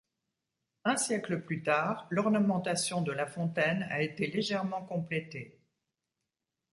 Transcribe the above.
Un siècle plus tard, l'ornementation de la fontaine a été légèrement complétée.